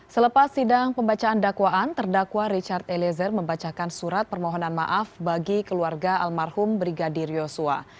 selepas sidang pembacaan dakwaan terdakwa richard eliezer membacakan surat permohonan maaf bagi keluarga almarhum brigadir yosua